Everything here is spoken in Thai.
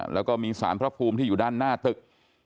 แล้วก็มีสารพระภูมิที่อยู่ด้านหน้าตึก